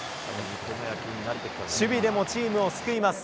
守備でもチームを救います。